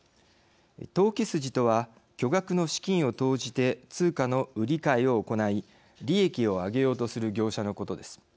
投機筋とは巨額の資金を投じて通貨の売り買いを行い利益を上げようとする業者のことです。